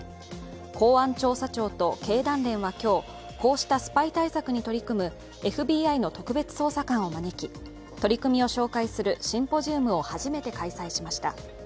公安調査庁と経団連は今日、こうしたスパイ対策に取り組むＦＢＩの特別捜査官を招き取り組みを紹介するシンポジウムを初めて開催しました。